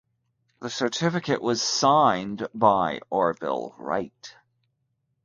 The certificate was signed by Orville Wright.